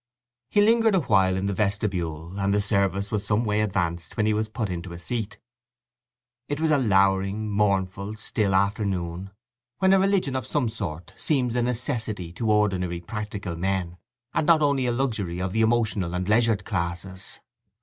He lingered awhile in the vestibule, and the service was some way advanced when he was put into a seat. It was a louring, mournful, still afternoon, when a religion of some sort seems a necessity to ordinary practical men, and not only a luxury of the emotional and leisured classes.